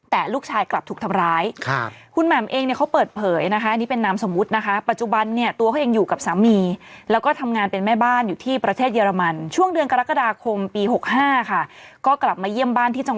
แต่ลูกชายกลับถูกทำร้าย